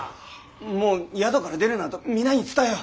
もう宿から出るなと皆に伝えよ。